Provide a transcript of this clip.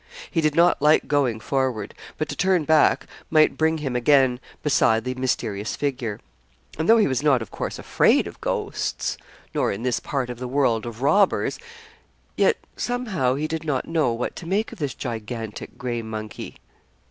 He did not like going forward but to turn back might bring him again beside the mysterious figure. And though he was not, of course, afraid of ghosts, nor in this part of the world, of robbers, yet somehow he did not know what to make of this gigantic gray monkey.